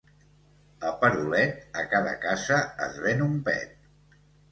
A Perolet, a cada casa es ven un pet.